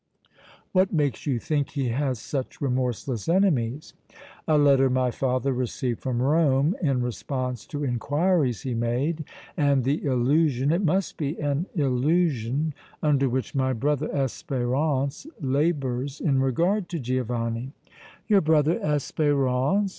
"What makes you think he has such remorseless enemies?" "A letter my father received from Rome in response to inquiries he made and the illusion it must be an illusion under which my brother Espérance labors in regard to Giovanni." "Your brother Espérance!